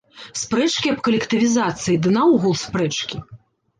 Спрэчкі аб калектывізацыі ды наогул спрэчкі.